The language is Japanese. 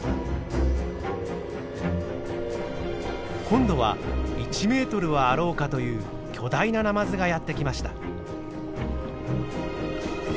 今度は１メートルはあろうかという巨大なナマズがやって来ました。